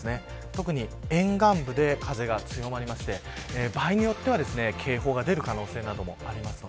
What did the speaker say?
特に沿岸部で風が強まりまして場合によっては警報が出る可能性などもあります。